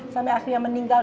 sampai akhirnya meninggalkan